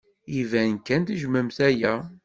Iban kan tejjmemt aya.